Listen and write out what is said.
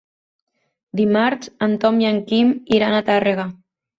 Dimarts en Tom i en Quim iran a Tàrrega.